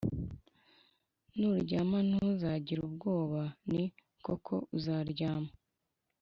nuryama ntuzagira ubwoba, ni koko uzaryama